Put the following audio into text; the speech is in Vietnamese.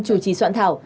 chủ trì soạn thảo